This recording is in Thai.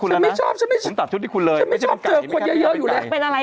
รำบังไก่ที่ไหนไม่ต้องไปกับพี่หนุ่มไง